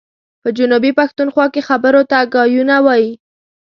په جنوبي پښتونخوا کي خبرو ته ګايونه وايي.